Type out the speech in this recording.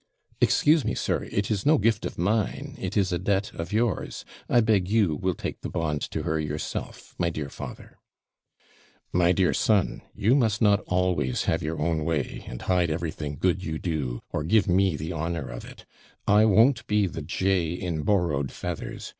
'Excuse me, sir; it is no gift of mine it is a debt of yours. I beg you will take the bond to her yourself, my dear father.' 'My dear son, you must not always have your own way, and hide everything good you do, or give me the honour of it. I won't be the jay in borrowed feathers.